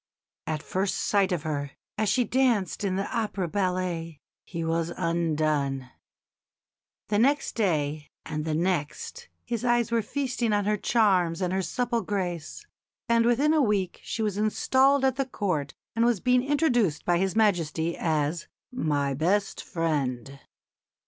At first sight of her, as she danced in the opera ballet, he was undone. The next day and the next his eyes were feasting on her charms and her supple grace; and within a week she was installed at the Court and was being introduced by His Majesty as "my best friend."